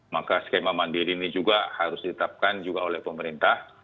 maka skema mandiri ini juga harus ditetapkan juga oleh pemerintah